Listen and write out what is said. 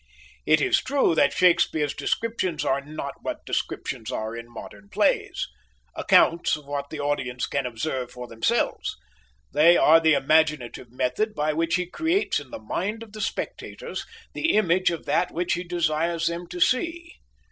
It is true that Shakespeare's descriptions are not what descriptions are in modern plays accounts of what the audience can observe for themselves; they are the imaginative method by which he creates in the mind of the spectators the image of that which he desires them to see.